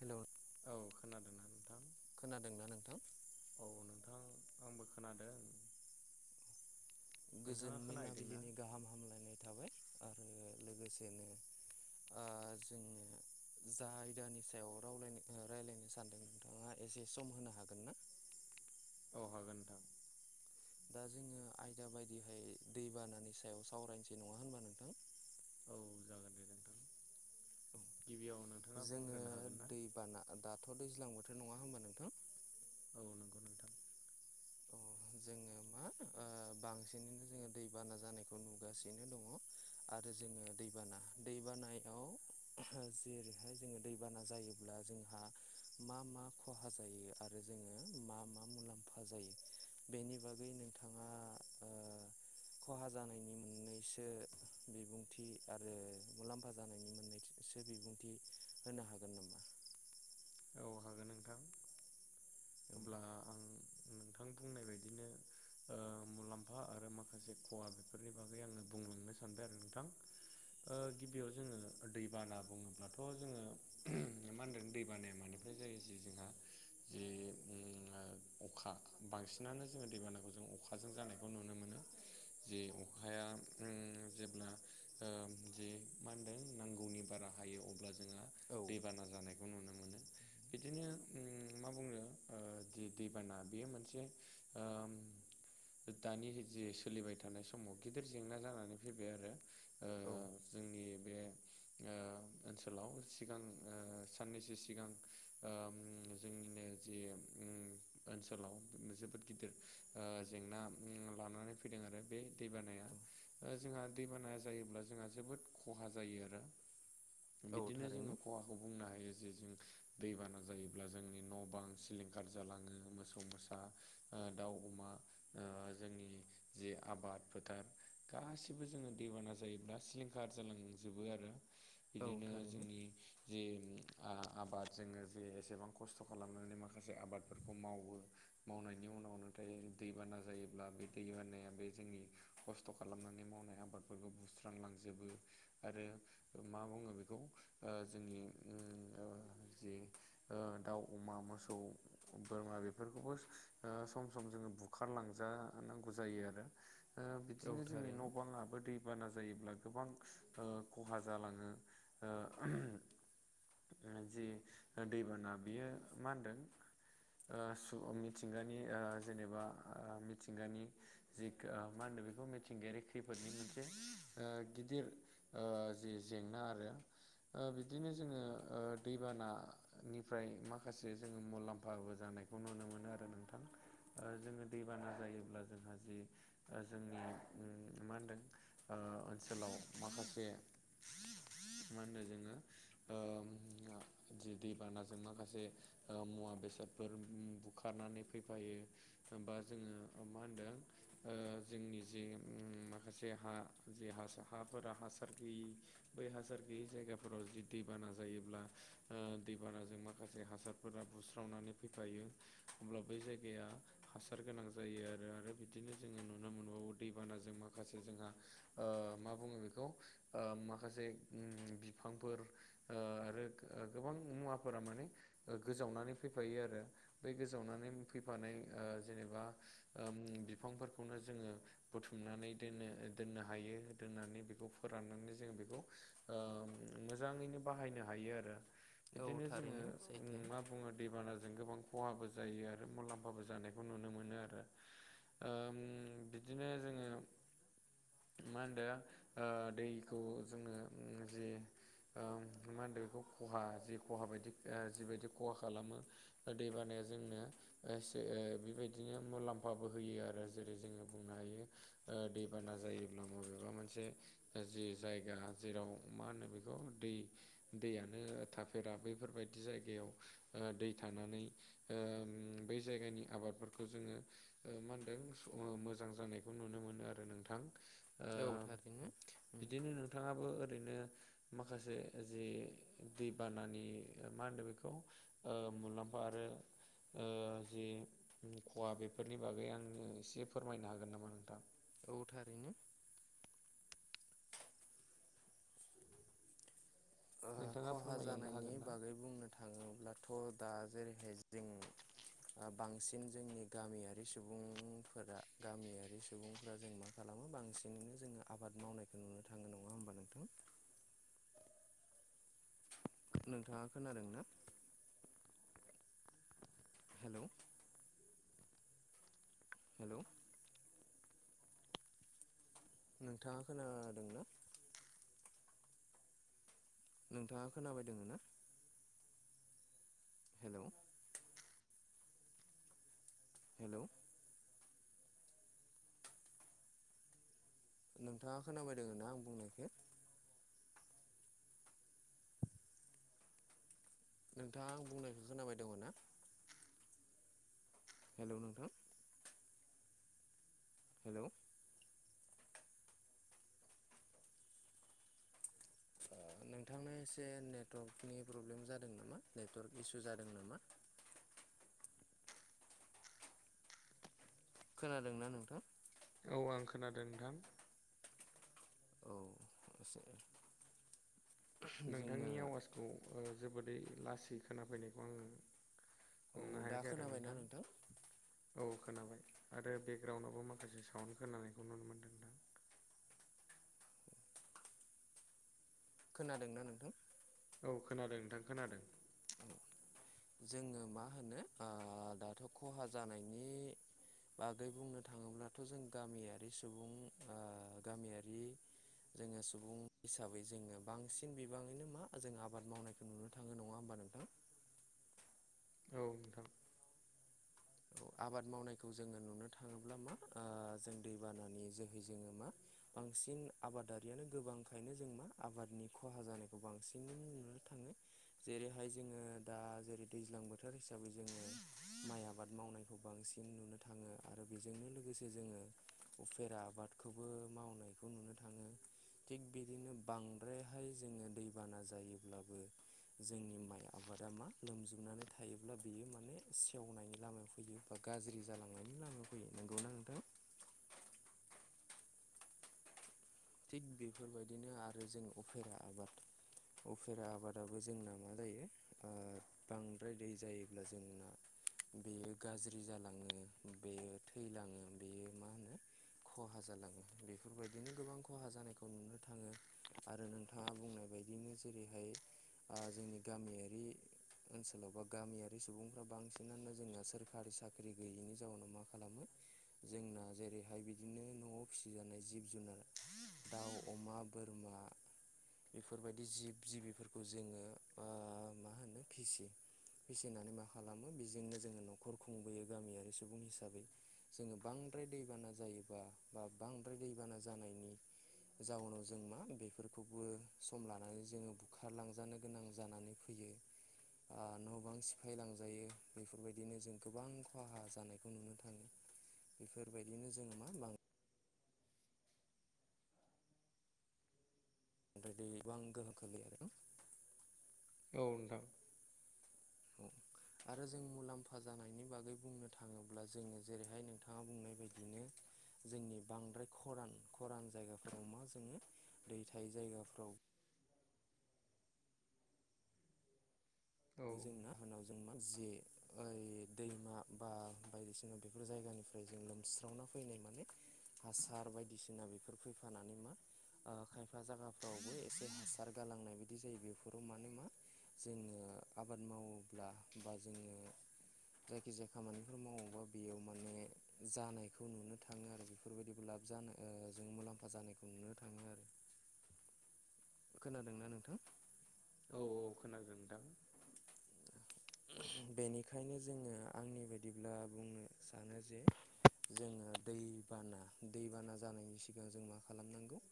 हेल' औ खोनादोंना नोंथां खोनादोंना नोंथां औ नोंथां आंबो खोनादों गोजोन नोंथाङा खोनाहैदोंना मोनैनाबिलिनि गाहाम हामलायनाय थाबाय आरो लोगोसेनो जोङो जा आयदानि सायाव रावलाय रायज्लायनो सानदों नोंथाङाय एसे सम होनो हागोन ना सि औ हागोन नोंथां दा जोङो आयदा बायदिहाय दैबानानि सायाव सावरायनोसै नङा होनबा नोंथां औ जागोन दे नोंथां गिबियावनो जोङो दैबाना दाथ' दैज्लां बोथोर नङा होमबा नोंथां औ नंगौ नोंथां अ जोङो मा बांसिनैनो जोङो दैबाना जानायखौ नुगासिनो दङ आरो जोङो दैबाना दैबानायाव जेरैहाय जोङो दैबाना जायोब्ला जोंहा मा मा खहा जायो आरो जोङो मा मा मुलाम्फा जायो बेनि बागै नोंथाङा खहा जानायनि मोननैसो बिबुंथि आरो मुलाम्फा जानायनि मोननै एसे बिबुंथि होनो हागोन नामा औ हागोन नोंथां अब्ला आं नोंथां बुंनाय बायदिनो मुलाम्फा आरो माखासे खहा बेफोरनि बागै आङो बुंलांनो सानबाय आरो नोंथां गिबियाव जोङो दैबाना बुङोब्लाथ' जोङो मा होनदों दै जायो जे जोंहा जिे अखा बांसिनानो जोङो दैबानाखौ जों अखाजों जानायखौ नुनो मोनो जे अखाया जेब्ला जे मा होनदों नांगौनि बारा हायो अब्ला जोंहा औ दैबाना जानायखौ नुनो मोनो बिदिनो उम मा बुंनो ओ जि दैबाना बेयो मोनसे ओम दानि जे सोलिबाय थानाय समाव गिदिर जेंना जानानै फैबाय आरो ओ औ जोंनि बे ओ ओनसोलाव सिगां ओ साननैसो सि सिगां ओम जोंनिनो जि [unintelligible] ओनसोलाव जोबोद गिदिर ओ जेंना लानानै फैदों आरो बे दैबा अ। ओ जोंहा दैबानाया जायोब्ला जोंहा जोबोद खहा जायो आरो औ बिदिनो थारैनो जोङो खहाखौ बुंनो हायो जे जों दैबाना जायोब्ला जोंनि न' बां सिलिंखार जालाङो मोसौ मोसा ओ दाउ अमा ओ जोंनि जि आबाद फोथार गासिबो जोङो दैबाना जायोब्ला सिलिंखार जालांजोबो आरो औ बिदिनो थारैनो जोंनि जि आ आबाद जोङो जे एसेबां खस्थ' खालामनानै माखासे आबादफोरखौ मावो। मावनायनि उनाव नाथाय दैबाना जायोब्ला बे दैबानाया बे जोंनि खस्थ' खालामनानै मावनाय आबादफोरखौ बुस्रांलांजोबो। आरो मा बुङो बेखौ ओ जोंनि [unintelligible] जि ओ दाउ, अमा, मोसौ बोरमा बेफोरखौबो ओ सम सम जोङो बुखारलांजा नांगौ जायो आरो ओ औ बिदिनो जोंनि थारैनो न'बाङाबो दै बाना जायोब्ला गोबां ओ खहा जालाङो ओ [unintelligible] जि दैबाना बियो मा होनदों ओ सुबुं मिथिंगानि ओ जेनेबा ओ मिथिंगानि जि गा मा होनदो बेखौ मिथिंगायारि खैफोदनि मोनसे ओ गिदिर ओ जि जेंना आरो ओ बिदिनो जोङो ओ दैबानानिफ्राय माखासे जोङो मुलाम्फाबो जानायखौ नुनो मोनो आरो नोंथां। ओ जोङो दैबाना जायोब्ला जोंहा जि ओ जोंनि ओ मा होनदों ओ ओनसोलाव माखासे मा होनो जोङो ओ ओ जि दै बानाजों माखासे ओ मुवा बेसादफोर [unintelligible] बुखारनानै फैफायो। होमबा जोङो ओ मा होनदों ओ जोंनि जे माखासे हा जे हासा हाफोरा हासार गैयि बै हासार गैयि जायगाफोराव जि दैबाना जायोब्ला ओ दैबानाजों माखासे हासारफोरा बुस्रावनानै फैफायो। अब्ला बै जायगाया हासार गोनां जायो आरो आरो बिदिनो जोङो नुनो मोनबावो दैबानाजों माखासे जोंहा ओ मा बुङो बेखौ ओ माखासे उम बिफांफोर ओ आरो गो-गोबां मुवाफोरा माने ओ गोजावनानै फैफायो आरो बे गोजावनानै फैफानाय ओ जेनेबा ओम बिफांफोरखौनो जोङो बुथुमनानै दोनो दोननो हायो दोननानै बेखौ फोराननानै जों बेखौ ओ मोजाङैनो बाहायनो हायो आरो औ बिदिनो जोङो थारैनो सैथो मा बुङो दैबानाजों गोबां खहाबो जायो आरो मुलाम्फाबो जानायखौ नुनो मोनो आरो ओम बिदिनो जोङो मा होनदो ओ दैखौ जोङो उम जि ओ मा होनदों बेखौ खहा जि खहा बायदि आ जिबायदि खहा खालामो ओ दैबानाया जोंनो एसे ओ बेबायदिनो मुलाम्फाबो होयो आरो जेरै जोङो बुंनो हायो ओ दैबाना जायोब्ला माबेबा मोनसे जि जायगा जेराव मा होनो बेखौ दै दैयानो थाफेरा बैफोरबायदि जायगायाव ओ दै थानानै ओ बै जायगानि आबादफोरखौ जोङो ओ मा होनदों मोजां जानायखौ नुनो मोनो आरो नोंथां ओ औ थारैनो बिदिनो नोंथाङाबो ओरैनो माखासे जे दैबानानि मा होनदों बेखौ ओ मुलाम्फा आरो ओ जि खहा बेफोरनि बागै आंनो एसे फोरमायनो हागोन नामा नोंथां औ थारैनो ओ नोंथाङा खहा फोरमायलांनो जानायनि हागोन ना? बागै बुंनो थाङोब्लाथ' दा जेरैहाय ज [inaudible] [unintelligible] बांसिन जोंनि गामियारि सुबुंफोरा गामियारि सुबुंफोरा जों मा खालामो बांसिनैनो जोङो आबाद मावनायखौ नुनो थाङो नङा होमबा नोंथां नोंथाङा खोनादों ना हेलौ हेलौ नोंथाङा खोनादोंना नोंथां नोंथाङा खोनाबायदोंङो ना हेलौ हेलौ नोंथाङा खोनाबायदों ना आं बुंनायखो नोंथाङा आं बुंनायखौ खोनाबाय दङ ना हेलौ नोंथां हेलौ नोंथांनो एसे नेटवर्कनि प्रब्लेम जादों नामा नेटवर्क इसु जादों नामा। खोनादोंना नोंथां औ आं खोनादों नोंथां। औ एसे जोङो नोंथांनि आवाजखौ जोबोदै लासै खोनाफैनायखौ आङो। औ हमनो दा हायाखै आरो खोनाबायना नोंथां औ खोनाबाय आरो बेकग्राउन्डआवबो माखासे साउन्ड खोनानायखौ नुनो मोनदों नोंथां खोनादोंना नोंथां। औ खोनादों नोंथां खोनादों। जोङो मा होनो ओ दाथ' खहा जानायनि बागै बुंनो थाङोब्लाथ' जों गामियारि सुबुं ओ गामियारि जोङो सुबुं हिसाबै जोङो बांसिन बिबाङैनो मा जों आबाद मावनायखौ नुनो थाङो नङा होमबा नोंथां औ नोंथां। आबाद मावनायखौ जोङो नुनो थाङोब्ला मा जों ओ दैबानानि जोहै जोङो मा बांसिन आबादारियानो गोबांखायनो जों मा आबादनि खहा जानायखौ बांसिन नुनो थाङो। जेरैहाय जोङो दा जेरै दैज्लां बोथोर हिसाबै जोङो माइ आबाद। मावनायखौ बांसिन नुनो थाङो आरो बेजोंनो लोगोसे जोङो। उफेरा आबादखौबो मावनायखौ नुनो थाङो। थिग बिदिनो बांद्रायहाय जोङो दैबाना जायोब्लाबो जोंनि माइ आबादा मा लोमजोबनानै थायोब्ला बेयो माने सेवनायनि लामायाव गाज्रि जालांनायनि लामा फैयो नंगौना नोंथां थिग बेफोरबायदिनो आरो जों उफेरा आबाद उफेरा आबादाबो जोंना मा जायो ओ बांद्राय दै जायोब्ला जोंना। बेयो गाज्रि जालाङो बेयो थैलाङो बेयो मा होनो। खहा जालाङो बेफोरबायदिनो गोबां खहा जानायखौ नुनो थाङो आरो नोंथाङा बुंनाय बायदिनो जेरैहाय ओ जोंनि गामियारि ओनसोलाव बा गामियारि सुबुंफ्रा बांसिनानो जोंहा सोरखारि साख्रि गैयैनि जाउाव मा खालामो जोंना जेरैहाय बिदिनो न'आव फिसिजानाय जिब जुनार दाउ अमा बोरमा। बेफोरबायदि जिब जिबिफोरखौ जोङो ओ मा होनो फिसियो।। फिसिनानै मा खालामो बेजोंनो जोङो न'खर खुंबोयो गामियारि सुबुं हिसाबै जोङो बांद्राय दैबाना जायोबा बा बांद्राय दैबाना जानायनि जाउनाव जों मा बेफोरखौबो सम लानानै जोङो बुखारलांजानो गोनां जानानै फैयो। ओ‌ न' बां सिफाय लांजायो बेफोरबायदिनो जों गोबां खहा जानायखौ नुनो थाङो। बेफोरबायदिनो जोङो मा बां ओमफाय दैबां गोहोखौ लै आरो ना। औ नोंथां। औ आरो जों मुलाम्फा जानायनि बागै बुंनो थाङोब्ला जोङो जेरैहाय नोंथाङा बुंनाय बायदिनो। जोंनि बांद्राय खरान खरान जायगाफोराव मा जोङो दै थायो जायगाफ्राव बो औ। जोंना होनाव जों मा जे ओइ दैमा बा बायदिसिना बेफोर जायगानिफ्राय जों लोमस्रावना फैनाय माने हासार बायदिसिना बेफोर फैफानानै मा ओ‌ खायफा जागाफ्रावबो एसे हासार गालांनाय बायदि जायो बेफोराव माने मा जोङो आबाद मावोब्ला बा जोङो जायखिजाया खामानिफोर मावोबा बेयाव माने जानायखौ नुनो थाङो आरो बेफ बेफोरबायदिबो लाब ओ जानाय जों मुलाम्फा जानायखौ नुनो थाङो आरो खोनादोंना नोंथां? औ औ खोनादों नोंथां। बेनिखायनो जोङो आंनि बायदिब्ला बुंनो सानो जे जोङो दैबाना दैबाना जानायनि सिगां जों मा खालामनांगौ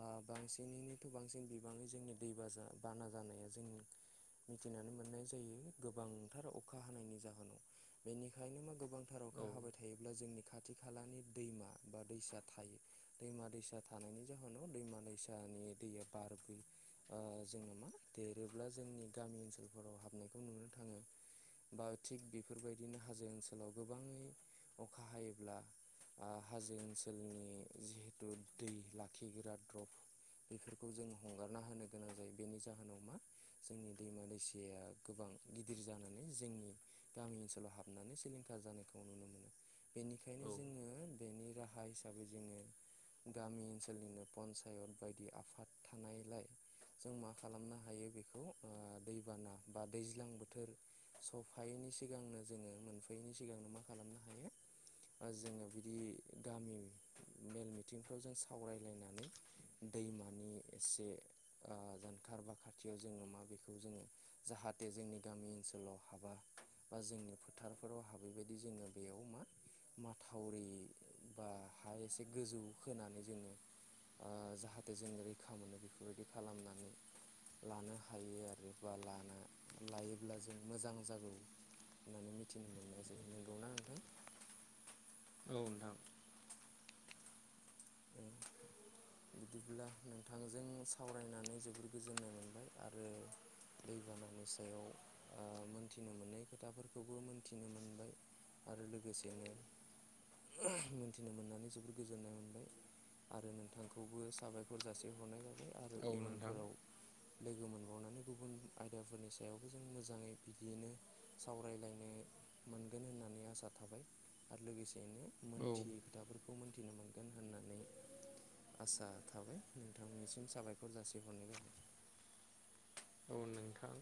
ओ बांसिनै बांसिन बिबाङै जोंनि दै बा बाना जानाया जों मिथिनानै मोननाय जायो। गोबांथार अखा हानायनि जाहोनाव बेनिखायनो मा गोबांथार औ अखा हाबाय थायोब्ला जोंनि खाथि खालानि दैमा बा दैसा थायो। दैमा दैसा थानायनि जाहोनाव दैमा दैसानि दैया बारबो। ओ जोंना मा देरोब्ला जोंनि गामि ओनसोलफोराव हाबनाय। थाङो बा थिग बेफोरबायदिनो हाजो ओनसोलाव गोबाङै अखा हायोब्ला ओ हाजो ओनसोलनि जिहेथु दै लाखिग्रा द्रप बेफोरखौ जों हगारना होनो गोनां जायो बेनि जाहोनाव मा जोंनि दैमा दैसाया गोबां गिदिर जानानै जोंनि गामि ओनसोलाव हाबनानै सिलिंखार जानायखौ नुनो मोनो। बेनिखायनो औ जोङो बेनि राहा हिसाबै जोङो गामि ओनसोलनिनो पन्सायत बायदि आफाद थानायलाय जों मा खालामनो हायो बेखौ ओ दैबाना बा दैज्लां बोथोर। सफायैनि सिगांनो जोङो मोनफैयैनि सिगांनो मा खालामनो हायो। जोङो बिदि गामि मेल मिथिंफ्राव जों सावरायलायनानै दैमानि एसे जानखारार बा खाथियाव जोङो मा बेखौ जोङो जाहाथे जोंनि गामि ओनसोलाव हाबा बा जोंनि फोथारफोराव हाबैबायदि जोङो बेयाव मा माथावरि बा हा एसे गोजौ होनानै जोङो ओ जाहाथे जोंङ रैखा मोनो बेफोरबायदि खालामनानै। लानो हायो आरो बा ला। आ लायोब्ला जों मोजां जागौ होननानै मिथिनो मोननाय जायो नंगौना नोंथां। औ नोंथां। [inaudible] बिदिब्ला नोंथांजों सावरायनानै जोबोर गोजोननाय मोनबाय आरो दैबानानि सायाव ओ मोनथिनो मोनै खोथाफोरखौबो मोनथिनो मोनबाय। आरो लोगोसेनो मोन्थिनो मोननानै जोबोर गोजोननाय मोनबाय। आरो नोंथांखौबो साबायखर जासि हरनाय जाबाय आरो औ नोंथां इयुनफोराव लोगो मोनबावनानै गुबुन आयदाफोरनि सायावबो जों मोजाङै बिदियैनो सावरायलायनो मोनगोन होननानै आसा थाबाय आरो लोगोसेयैनो औ मोनथियै खोथाफोरखौ मोनथिनो मोनगोन होननानै आसा थाबाय नोंथांनिसिम साबायखर जासिहरनाय जाबाय। औ नोंथां।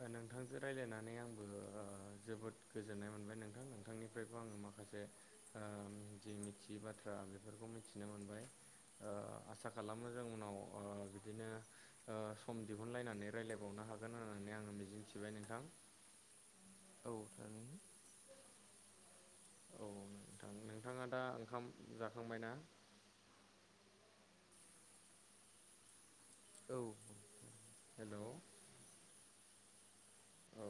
ओ नोंथांजों रायज्लायनानै आंबो ओ जोबोद गोजोननाय मोनबाय नोंथां नोंथांनिफ्रायबो आङो माखासे ओ जि मिथियै बाथ्रा बेफोरखौ मिथिनो मोनबाय। ओ आसा खालामो जों उनाव ओ बिदिनो ओ सम दिहुनलायनानै रायलायबावनो हागोन होननानै आङो मिजिं थिबाय नोंथां। औ थारनो। औ नोंथां, नोंथाङा दा ओंखाम जाखांबायना? औ औ हेलौ औ।